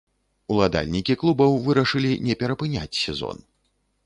Уладальнікі клубаў вырашылі не перапыняць сезон.